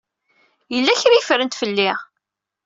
Yella kra ay ffrent fell-i.